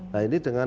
nah ini dengan